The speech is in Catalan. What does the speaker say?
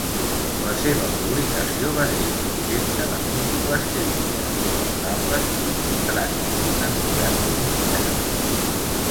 La seva publicació va ser objecte de múltiples crítiques, favorables i contràries, en diversos mitjans.